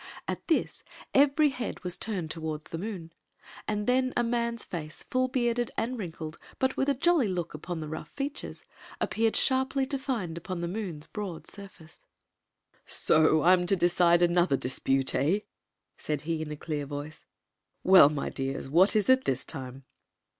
At this every head was turned toward the moon ; and then a man's face, full bearded and wrinkled, but with a jolly look upon the rough features, appeared sharply defined upon the moons broad suriace. Queen Zixi of Ix ; or, the " So I 'm to decide another dispute, eh ?" said he, in a clear voice. " Well, my dears, what is it this time